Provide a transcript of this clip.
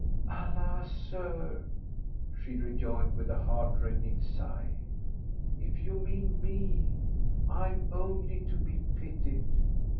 "Alas! Sir," she rejoined, with a heart rending sigh, "if you mean me, I am only to be pitied.